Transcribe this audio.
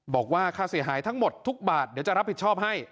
บอกว่าค่าเสียหายทั้งหมดทุกบาทเดี๋ยวจะรับผิดชอบให้